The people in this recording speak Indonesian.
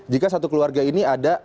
jika satu keluarga ini ada